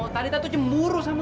talita tuh cemburu sama lo